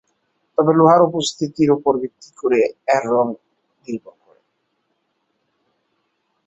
তবে লোহার উপস্থিতির ওপর ভিত্তি করে এর রঙ নির্ভর করে।